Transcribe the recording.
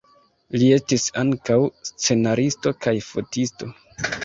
Li estis ankaŭ scenaristo kaj fotisto.